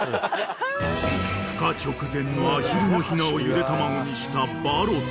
［ふ化直前のアヒルのひなをゆで卵にしたバロット］